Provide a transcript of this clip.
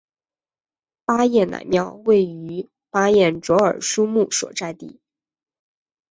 巴彦乃庙位于巴彦淖尔苏木所在地。